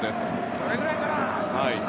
どれぐらいかな。